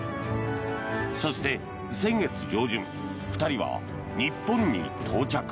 そして、先月上旬２人は日本に到着。